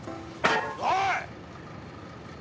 おい！